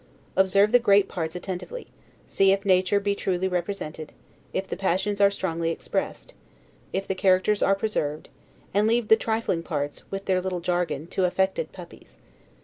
Observe the great parts attentively; see if nature be truly represented; if the passions are strongly expressed; if the characters are preserved; and leave the trifling parts, with their little jargon, to affected puppies.